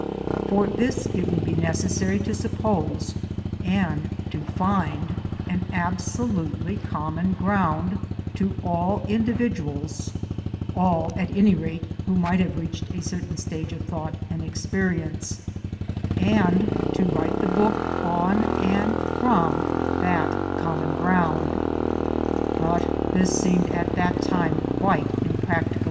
For this it would be necessary to suppose, and to find, an absolutely common ground to all individuals (all at any rate who might have reached a certain stage of thought and experience) — and to write the book on and from that common ground : but this seemed at that time quite impracticable.